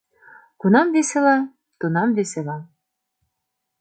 Кунам весела? — Тунам весела, -